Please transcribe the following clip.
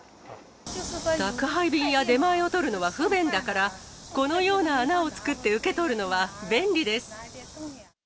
宅配便や出前を取るのは不便だから、このような穴を作って受け取るのは便利です。